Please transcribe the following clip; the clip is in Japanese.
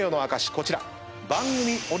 こちら。